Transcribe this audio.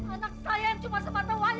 anak saya yang cuma sepatah wangi